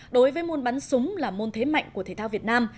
đối với môn bắn súng là môn thế mạnh của thể thao việt nam